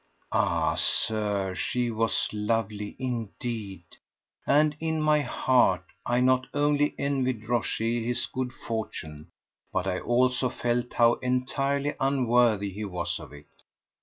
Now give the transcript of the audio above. Ah, Sir, she was lovely indeed! And in my heart I not only envied Rochez his good fortune but I also felt how entirely unworthy he was of it.